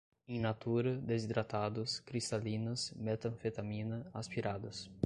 in natura, desidratados, cristalinas, metanfetamina, aspiradas